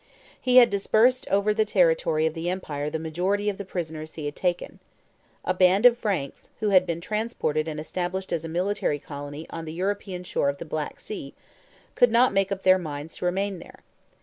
He had dispersed over the territory of the Empire the majority of the prisoners he had taken. A band of Franks, who had been transported and established as a military colony on the European shore of the Black Sea, could not make up their minds to remain there.